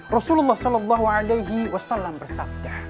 rasulullah saw bersabda